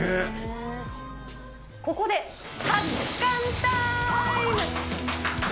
ここで発汗タイム。